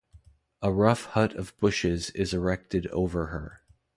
A rough hut of bushes is erected over her.